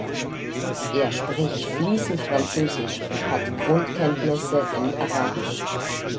Er spricht fließend Französisch und hat Grundkenntnisse in Arabisch.